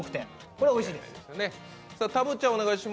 これはおいしいです。